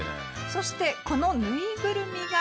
そしてこのぬいぐるみが。